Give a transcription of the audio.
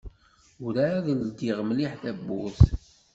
Ur-ɛad ldiɣ mliḥ tawwurt.